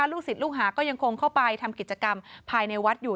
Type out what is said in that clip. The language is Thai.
ลูกศิษย์ลูกหาก็ยังคงเข้าไปทำกิจกรรมภายในวัดอยู่